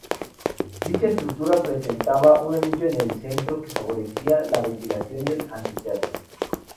Dicha estructura presentaba un anillo en el centro que favorecía la ventilación del anfiteatro.